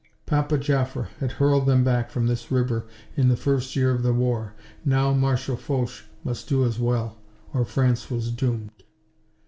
"Papa" Joffre had hurled them back from this river in the first year of the war; now Marshal Foch must do as well or France was doomed.